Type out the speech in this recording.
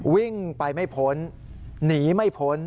วิ่งไปไม่พ้นหนีไม่พ้น